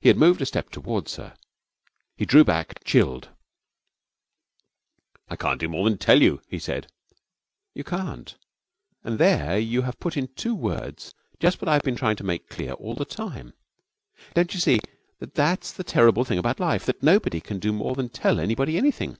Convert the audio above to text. He had moved a step towards her. He drew back, chilled. 'I can't do more than tell you,' he said. 'You can't. And there you have put in two words just what I've been trying to make clear all the time. Don't you see that that's the terrible thing about life, that nobody can do more than tell anybody anything?